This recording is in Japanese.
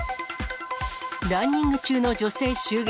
ランニング中の女性襲撃。